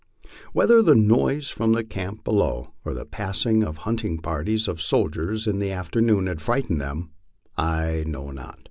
Whether the noise from the camp below or the passing of hunting parties of soldiers in the after noon had frightened them, I know not.